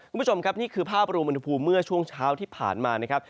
คุณผู้ชมครับนี่คือภาพรวมอุณหภูมิเมื่อช่วงเช้าที่ผ่านมานะครับ